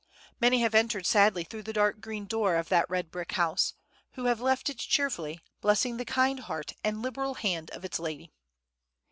Many have entered sadly through the dark green door of that red brick house, who have left it cheerfully, blessing the kind heart and liberal hand of its lady.